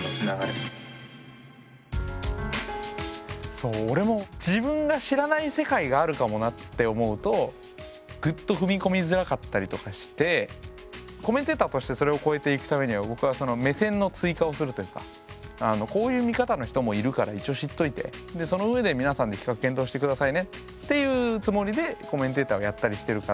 そう俺も自分が知らない世界があるかもなって思うとぐっと踏み込みづらかったりとかしてコメンテーターとしてそれを超えていくためには僕は目線の追加をするというかこういう見方の人もいるから一応知っといてでその上で皆さんで比較検討してくださいねっていうつもりでコメンテーターをやったりしてるから。